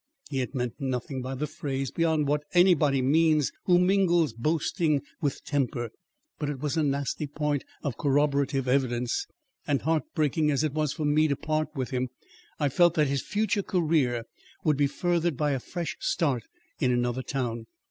He had meant nothing by the phrase, beyond what any body means who mingles boasting with temper, but it was a nasty point of corroborative evidence; and heart breaking as it was for me to part with him, I felt that his future career would be furthered by a fresh start in another town.